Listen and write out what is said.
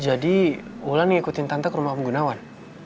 jadi wulan ngikutin tante ke rumah om gunawan